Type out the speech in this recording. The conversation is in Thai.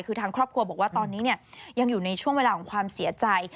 คือทางครอบครัวบอกว่าตอนนี้ยังอยู่ในช่วงเวลาของความเสียใจ